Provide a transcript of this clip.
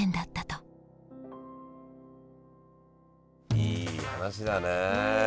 いい話だね。